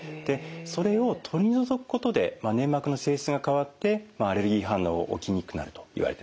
それを取り除くことで粘膜の性質が変わってアレルギー反応起きにくくなるといわれてます。